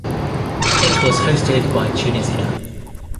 It was hosted by Tunisia.